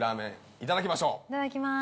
いただきます